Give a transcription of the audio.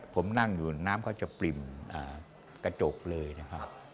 ผมนั่งอยู่น้ำเขาจะปริ่มกระจกเลยนะครับ